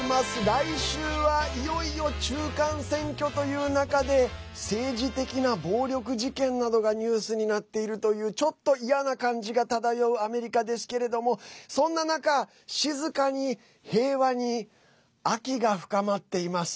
来週は、いよいよ中間選挙という中で政治的な暴力事件などがニュースになっているというちょっと嫌な感じが漂うアメリカですけれどもそんな中、静かに平和に秋が深まっています。